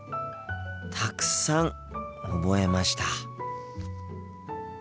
たくさん覚えました。